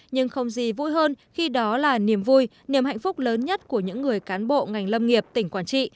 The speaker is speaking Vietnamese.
nhưng không gì vui hơn khi đó là niềm vui niềm hạnh phúc lớn nhất của những người cán bộ ngành lâm nghiệp tỉnh quảng trị